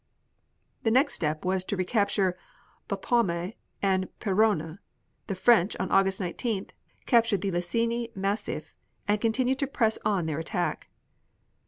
The next step was to capture Bapaume and Peronne. The French, on August 19th, captured the Lassigny Massif, and continued to press on their attack.